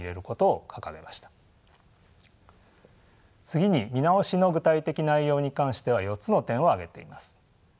次に見直しの具体的内容に関しては４つの点を挙げています。